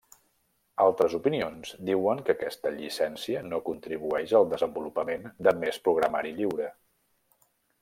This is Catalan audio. Altres opinions diuen que aquesta llicència no contribueix al desenvolupament de més programari lliure.